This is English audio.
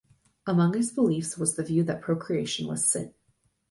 Among its beliefs was the view that procreation was a sin.